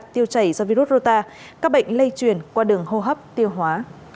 tiêu chảy do virus rô ta các bệnh lây chuyển qua đường hô hấp tiêu hóa